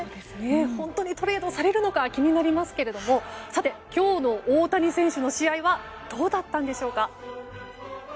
本当にトレードされるのか気になりますが今日の大谷選手の試合はどうだったのでしょうか。